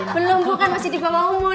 belum bukan masih di bawah umur